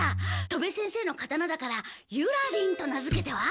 戸部先生の刀だからユラリンと名づけては？